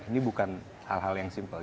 ini bukan hal hal yang simpel